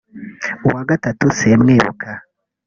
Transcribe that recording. uwa gatatu simwibuka